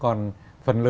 còn phần lớn